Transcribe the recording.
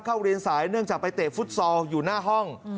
เข้าเรียนสายเนื่องจากไปเตะฟุตซอลอยู่หน้าห้อง